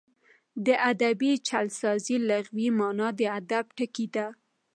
د ادبي جعلسازۍ لغوي مانا د ادب ټګي ده.